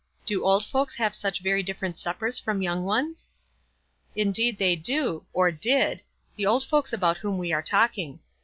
Do old folks have such very different suppers from young ones ?"" Indeed they do, or did — the old folks about whom we are talking.